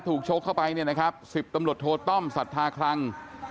ชกเข้าไปเนี่ยนะครับ๑๐ตำรวจโทต้อมศรัทธาคลัง